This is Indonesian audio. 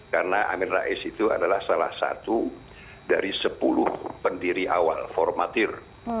karena amin rais itu adalah salah satu dari sepuluh pendiri awal formatir